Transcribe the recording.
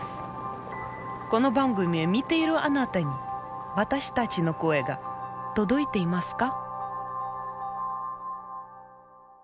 この番組を見ているあなたに私たちの声が届いていますか？